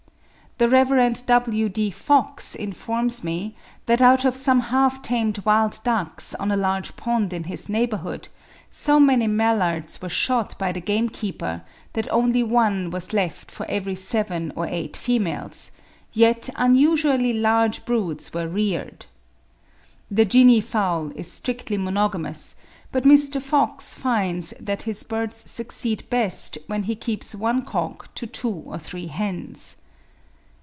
The Rev. W.D. Fox informs me that out of some half tamed wild ducks, on a large pond in his neighbourhood, so many mallards were shot by the gamekeeper that only one was left for every seven or eight females; yet unusually large broods were reared. The guinea fowl is strictly monogamous; but Mr. Fox finds that his birds succeed best when he keeps one cock to two or three hens.